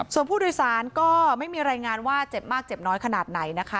ส่วนผู้โดยสารก็ไม่มีรายงานว่าเจ็บมากเจ็บน้อยขนาดไหนนะคะ